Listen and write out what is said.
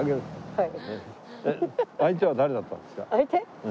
はい。